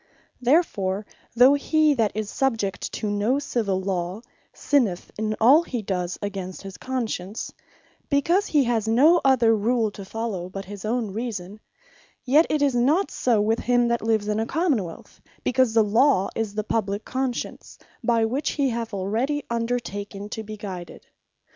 Therefore, though he that is subject to no Civill Law, sinneth in all he does against his Conscience, because he has no other rule to follow but his own reason; yet it is not so with him that lives in a Common wealth; because the Law is the publique Conscience, by which he hath already undertaken to be guided.